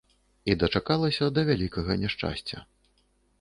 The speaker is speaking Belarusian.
І дачакалася да вялікага няшчасця.